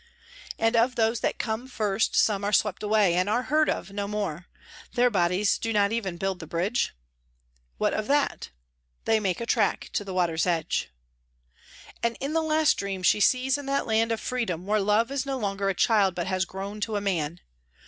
... And of those that come first some are swept away, and are heard of no more ; their bodies do not even build the bridge ?...' What of that ? They make a track to the water's edge' " And in the last dream she sees in that land of Freedom where Love is no longer a child but has grown to a man.